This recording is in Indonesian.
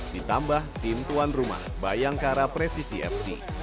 ditambah tim tuan rumah bayangkara presisi fc